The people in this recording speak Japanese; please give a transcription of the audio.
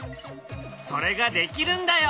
それができるんだよ！